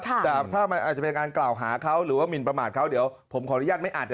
แต่ถ้ามันอาจจะเป็นการกล่าวหาเขาหรือว่าหมินประมาทเขาเดี๋ยวผมขออนุญาตไม่อาจจะ